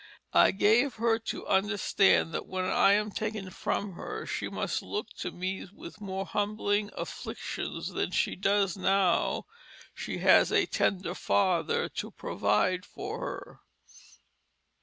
I gave her to understand that when I am taken from her she must look to meet with more humbling Afflictions than she does now she has a Tender Father to provide for her."